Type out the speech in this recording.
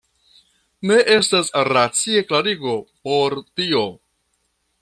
Ne estas racia klarigo por tio.